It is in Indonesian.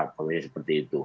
apa namanya seperti itu